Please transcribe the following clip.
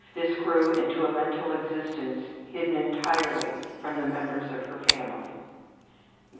This grew into a mental existence hidden entirely from the members of her family.